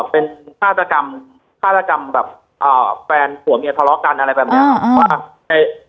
เป็นฆาตกรรมฆาตกรรมแบบแฟนผัวเมียทะเลาะกันอะไรแบบนี้